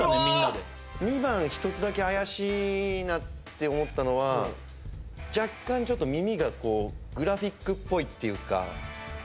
みんなで２番１つだけ怪しいなって思ったのは若干ちょっと耳がグラフィックっぽいっていうか